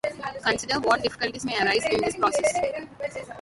Consider what difficulties may arise in this process.